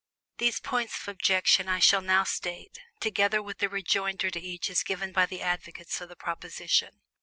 These points of objection I shall now state, together with the rejoinder to each as given by the advocates of the proposition.